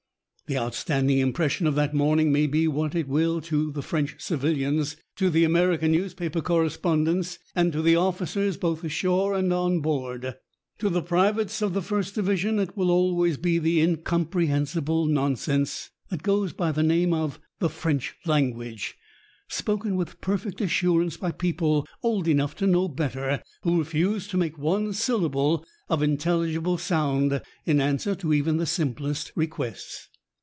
The outstanding impression of that morning may be what it will to the French civilians, to the American newspaper correspondents, and to the officers both ashore and on board. To the privates of the First Division it will always be the incomprehensible nonsense that goes by the name of the French language, spoken with perfect assurance by people old enough to know better, who refuse to make one syllable of intelligible sound in answer to even the simplest requests.